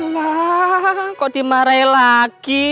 lah kok dimarahin lagi